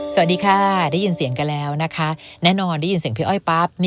สวัสดีค่ะได้ยินเสียงกันแล้วนะคะแน่นอนได้ยินเสียงพี่อ้อยปั๊บ